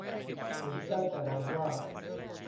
ผมได้แต่หวังว่า